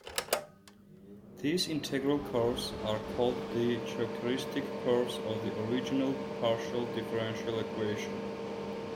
These integral curves are called the characteristic curves of the original partial differential equation.